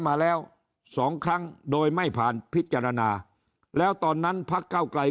มาแล้วสองครั้งโดยไม่ผ่านพิจารณาแล้วตอนนั้นพักเก้าไกล